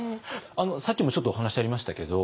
さっきもちょっとお話ありましたけど